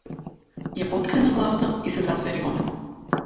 Ја поткрена главата и се заѕвери во мене.